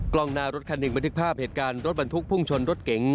กล้องหน้ารถคันหนึ่งบันทึกภาพเหตุการณ์รถบรรทุกพุ่งชนรถเก๋ง